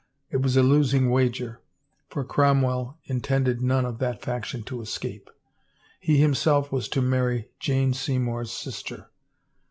It was a losing wager, for Cromwell in tended none of that faction to escape. He himself was to marry Jane Seymour's sister.